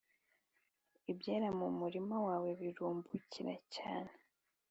ibyera mu murima wawe birumbukire cyane